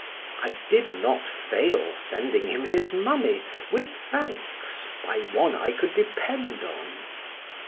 I did not fail sending him his money, with thanks, by one I could depend on.